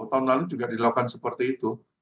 tahun lalu juga dilakukan seperti itu